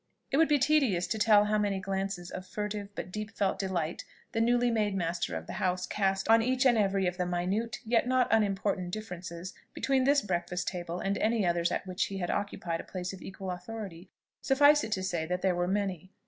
It would be tedious to tell how many glances of furtive but deep felt delight the newly made master of the house cast on each and every of the minute, yet not unimportant, differences between this breakfast table and any others at which he had occupied a place of equal authority: suffice it to say, that there were many.